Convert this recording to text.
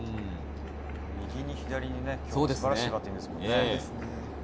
右に左に素晴らしいバッティングですもんね。